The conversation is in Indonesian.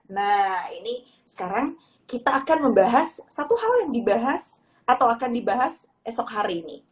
nah ini sekarang kita akan membahas satu hal yang dibahas atau akan dibahas esok hari ini